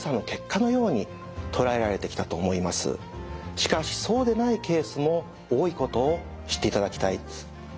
しかしそうでないケースも多いことを知っていただきたいです。